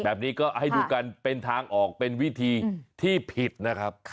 แบบนี้ก็ให้ดูกันเป็นทางออกเป็นวิธีที่ผิดนะครับ